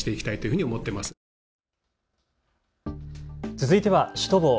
続いてはシュトボー。